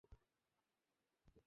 ভিতরে নিয়ে যাও!